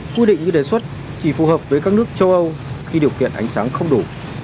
quy định như đề xuất chỉ phù hợp với các nước châu âu khi điều kiện ánh sáng không đủ